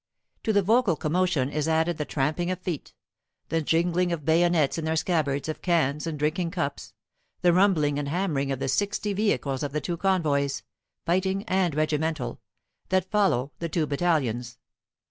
To the vocal commotion is added the tramping of feet, the jingling of bayonets in their scabbards, of cans and drinking cups, the rumbling and hammering of the sixty vehicles of the two convoys fighting and regimental that follow the two battalions.